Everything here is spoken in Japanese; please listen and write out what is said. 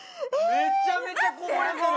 めちゃめちゃこぼれてる。